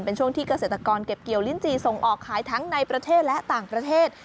เป็นช่วงที่เกษตรกรเก็บเกี่ยวลิ้นจีส่งออกขายทั้งในประเทศและต่างประเทศ